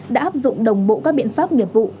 đã áp dụng đồng bộ các biện pháp nghiệp vụ